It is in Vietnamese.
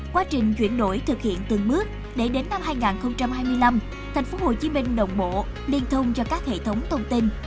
quá trình chuyển đổi thực hiện từng bước để đến năm hai nghìn hai mươi năm tp hcm đồng bộ liên thông cho các hệ thống thông tin